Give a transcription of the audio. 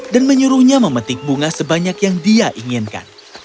dan menyuruhnya memetik bunga sebanyak yang dia inginkan